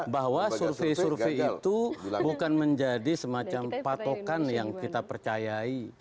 bahwa survei survei itu bukan menjadi semacam patokan yang kita percayai